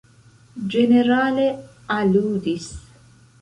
Ĝenerale, aludis?